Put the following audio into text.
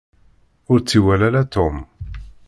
Ur tt-iwala ara Tom.